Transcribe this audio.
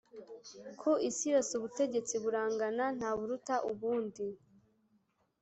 Ku isi yose ubutegetsi burangana ntaburuta ubundi